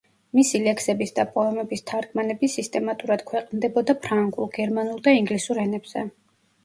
მისი ლექსების და პოემების თარგმანები სისტემატურად ქვეყნდებოდა ფრანგულ, გერმანულ და ინგლისურ ენებზე.